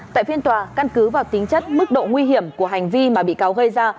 tại phiên tòa căn cứ vào tính chất mức độ nguy hiểm của hành vi mà bị cáo gây ra